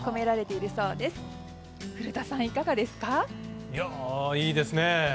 いいですね。